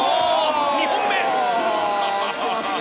２本目！